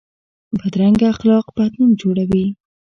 بدرنګه اخلاق بد نوم جوړوي